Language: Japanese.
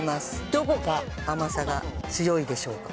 どこが甘さが強いでしょうか。